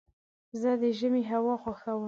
زه د ژمي هوا خوښوم.